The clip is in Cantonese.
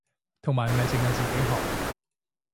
同埋唔係淨係自己學